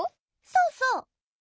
そうそう！